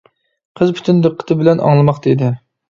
قىز پۈتۈن دىققىتى بىلەن ئاڭلىماقتا ئىدى.